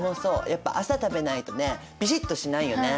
やっぱ朝食べないとねビシッとしないよね。